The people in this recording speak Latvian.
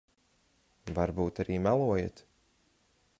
Varbūt arī melojat.